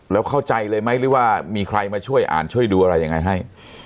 แล้วเข้าใจเลยไหมหรือว่ามีใครมาช่วยอ่านช่วยดูอะไรยังไงให้